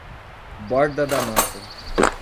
Borda da Mata